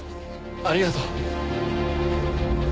ありがとう。